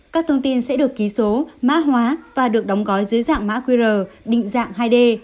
các thông tin sẽ được ký số mã hóa và được đóng gói dưới dạng mã qr định dạng hai d